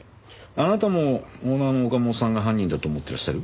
あなたもオーナーの岡本さんが犯人だと思っていらっしゃる？